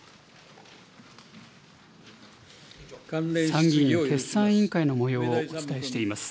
参議院決算委員会のもようをお伝えしています。